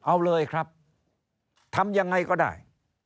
เอาเลยครับทำยังไงก็ได้